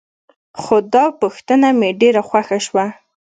خو دا پوښتنه مې ډېره خوښه شوه.